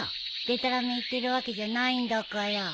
でたらめ言ってるわけじゃないんだから。